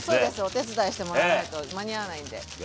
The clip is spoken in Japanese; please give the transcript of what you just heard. お手伝いしてもらわないと間に合わないんで。